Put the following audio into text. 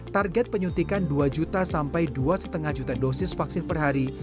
target penyuntikan dua juta sampai dua lima juta dosis vaksin per hari